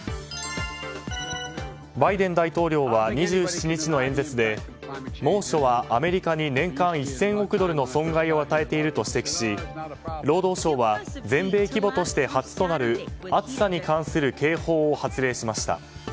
バイデン大統領は２７日の演説で猛暑はアメリカに年間１０００億ドルの損害を与えていると指摘し労働省は全米規模として初となる暑さに関する警報を発令しました。